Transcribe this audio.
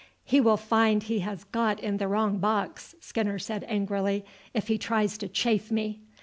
"He will find he has got in the wrong box," Skinner said angrily, "if he tries to chaff me."